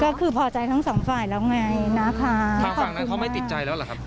ก็คือพอใจทั้งสองฝ่ายแล้วไงนะคะทางฝั่งนั้นเขาไม่ติดใจแล้วเหรอครับ